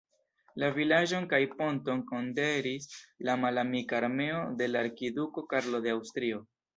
La vilaĝon kaj ponton konkeris la malamika armeo de la arkiduko Karlo de Aŭstrio.